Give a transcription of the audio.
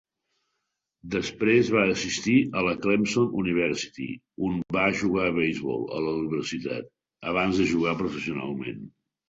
Després va assistir a la Clemson University, on va jugar a beisbol a la universitat, abans de jugar professionalment.